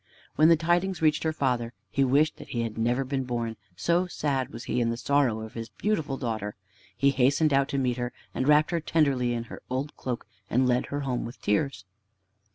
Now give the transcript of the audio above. When the tidings reached her father, he wished that he had never been born, so sad was he in the sorrow of his beautiful daughter. He hastened out to meet her, and wrapped her tenderly in her old cloak, and led her home with tears.